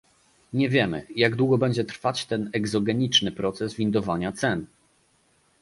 Nie wiemy, jak długo będzie trwać ten egzogeniczny proces windowania cen